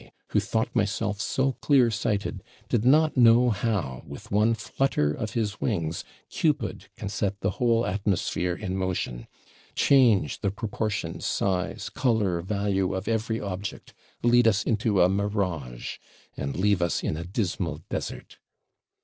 who thought myself so clear sighted, did not know how, with one flutter of his wings, Cupid can set the whole atmosphere in motion; change the proportions, size, colour, value, of every object; lead us into a mirage, and leave us in a dismal desert.'